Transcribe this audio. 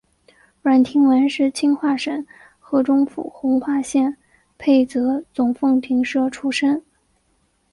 阮廷闻是清化省河中府弘化县沛泽总凤亭社出生。